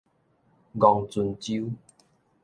昂船洲